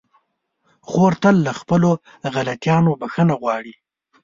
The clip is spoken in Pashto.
خور تل له خپلو غلطيانو بخښنه غواړي.